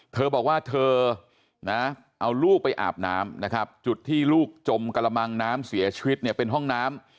เธอบอกว่าเธอนะเอาลูกไปอาบน้ำนะครับจุดที่ลูกจมกระมังน้ำเสียชีวิตเนี่ยเป็นห้องน้ำ